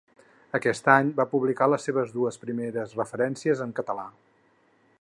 Aquest any van publicar les seves dues primeres referències en català.